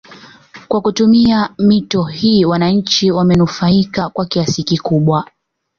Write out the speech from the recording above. Kwa kutumia mito hii wananchi wamenufaika kwa kiasi kikubwa